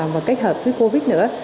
và kết hợp với covid nữa